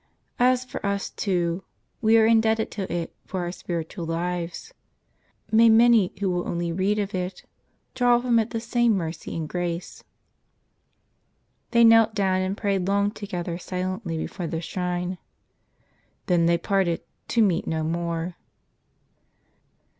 As for us two, w^e are indebted to it for our spiritual lives. May many, who will only read of it, draw from it the same mercy and grace!" They knelt down, and prayed long together silently before the shrine. They then parted, to meet no more.